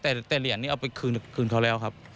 แต่เหรียญนี้เอาไปคืนเขาแล้วครับ